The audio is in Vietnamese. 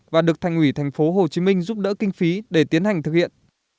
và được thành ủy thành phố hồ chí minh giúp đỡ kinh phí để tiến hành thực hiện